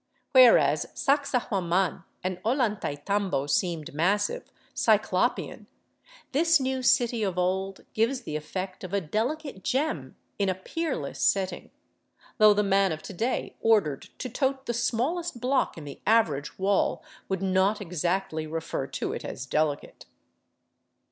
Whereas Sacsahuaman and Ollantaytambo seemed massive, cyclopean, this new city of old gives the effect of a delicate gem in a peerless setting — though the man of to day ordered to tote the smallest block in the average wall would not exactly refer to it as delicate.